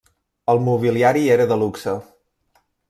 El mobiliari era de luxe.